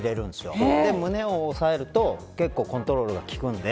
それで胸を押さえると結構コントロールが利くんで。